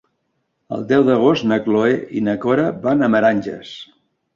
El deu d'agost na Cloè i na Cora van a Meranges.